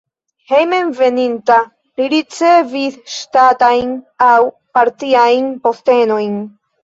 Hejmenveninta li ricevis ŝtatajn aŭ partiajn postenojn.